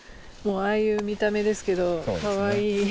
ああいう見た目ですけどカワイイ。